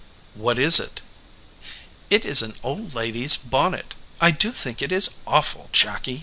"What is it?" "It is an old lady s bonnet. I do think it is awful, Jacky."